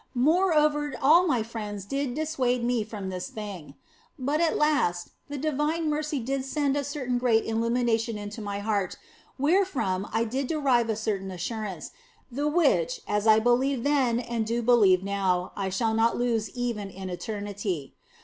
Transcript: Moreover all my friends did dissuade me from this thing. But at last the Divine mercy did send a certain great illumination into mine heart, wherefrom I did derive a certain assurance, the which, as I believed then and do believe now, I shall not lose even in eternity.